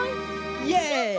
イエイ！